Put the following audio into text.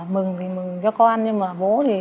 mừng thì mừng cho con nhưng mà bố thì